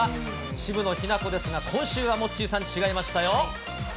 渋野日向子ですが、今週はモッチーさん、違いましたよ。